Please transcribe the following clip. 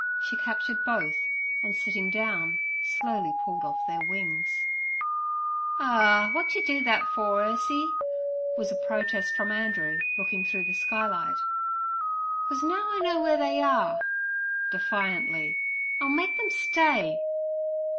She captured both, and, sitting down, slowly pulled off their wings. 'Ah! what do yer do that for, Ursie?' was a protest from Andrew, looking through the skylight. 'Cos now I know ware they are'—defiantly. 'I'll make them stay.'